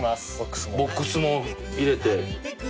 ボックスも入れて。